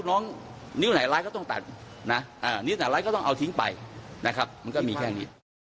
นิ้วไหนไร้ก็ต้องเอาทิ้งไปมันก็มีแค่นี้